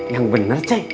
yang bener ceng